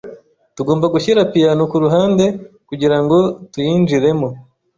Tugomba gushyira piyano kuruhande kugirango tuyinjiremo.